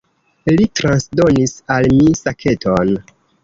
Li transdonis al mi saketon.